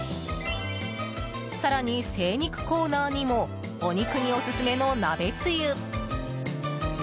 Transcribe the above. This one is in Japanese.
更に精肉コーナーにも肉にオススメの鍋つゆ。